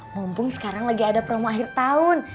mumpung sekarang lagi ada promo akhir tahun